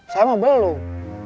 saya mah belum